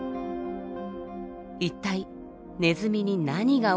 一体ネズミに何が起きたのか？